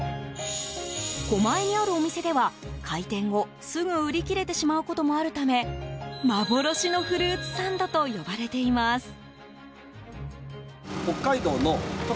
狛江にあるお店では、開店後すぐ売り切れてしまうこともあるため幻のフルーツサンドと呼ばれています。